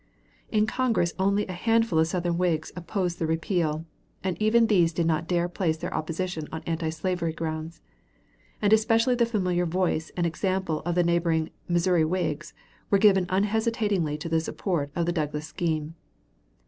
In Congress only a little handful of Southern Whigs opposed the repeal, and even these did not dare place their opposition on antislavery grounds. And especially the familiar voice and example of the neighboring Missouri Whigs were given unhesitatingly to the support of the Douglas scheme.